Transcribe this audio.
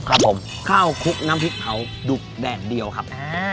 ครับผมข้าวคุกน้ำพริกเผาดุกแดดเดียวครับ